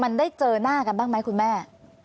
มันได้เจอหน้ากันบ้างไหมคุณแม่